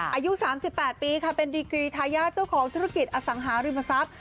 อายุ๓๘ปีค่ะเป็นดีกรีทายาทเจ้าของธุรกิจอสังหาริมทรัพย์